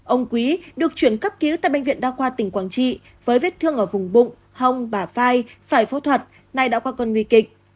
ông quý được chuyển cấp cứu tại bệnh viện đa khoa tỉnh quảng trị với vết thương ở vùng bụng hông bà phai phải phẫu thuật nay đã qua cơn nguy kịch